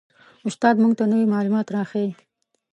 استاد موږ ته نوي معلومات را ښیي